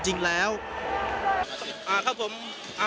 มีใครมามีปี